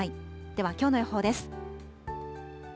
では、きょうの予報です。